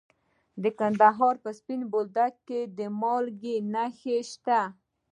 د کندهار په سپین بولدک کې د مالګې نښې شته.